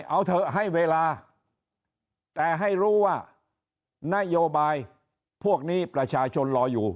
เอาเถอะให้เวลาแต่ให้รู้ว่านโยบายพวกนี้ประชาชนรออยู่